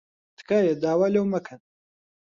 تکایە داوا لەو مەکەن.